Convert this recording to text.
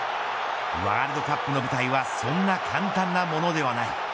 ワールドカップの舞台はそんな簡単なものではない。